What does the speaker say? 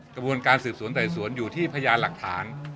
กระบวนการสืบสวนไต่สวนอยู่ที่พยานหลักฐาน